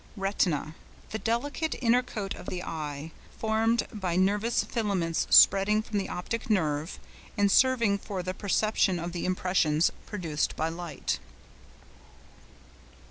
RETINA.—The delicate inner coat of the eye, formed by nervous filaments spreading from the optic nerve, and serving for the perception of the impressions produced by light.